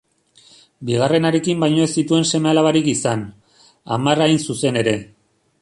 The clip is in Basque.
Bigarrenarekin baino ez zituen seme-alabarik izan, hamar hain zuzen ere.